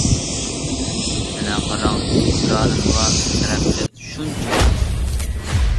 ئەنە قاراڭ مىسرانىمغا، تەرەققىيات شۇنچە تىز.